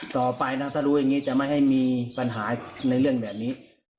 ต่อไปนะถ้ารู้อย่างนี้จะไม่ให้มีปัญหาในเรื่องแบบนี้